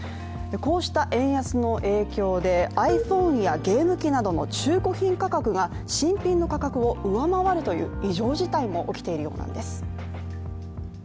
こうした円安の影響でｉＰｈｏｎｅやゲーム機などの中古品価格が新品の価格を上回るという異常事態も起きているようなんです。